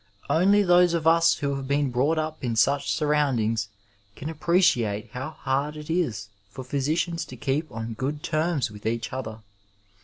Only those of us who have been brought up in such surroundings can appreciate how hard it is for physicians to keep on good terms with each other.